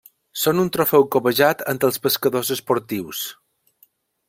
Són un trofeu cobejat entre els pescadors esportius.